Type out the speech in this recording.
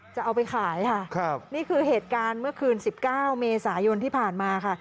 จะเอาไปขายค่ะนี่คือเหตุการณ์เมื่อคืน๑๙เมษายนที่ผ่านมาค่ะ